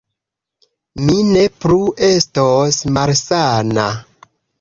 Mi ne plu estos malsana